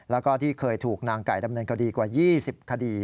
แล้วก็ที่เคยถูกนางไก่ดำเนินคดีกว่า๒๐คดี